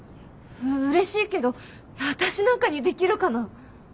うれしいけど私なんかにできるかな？